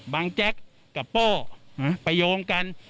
แจ๊กกับโป้ไปโยงกัน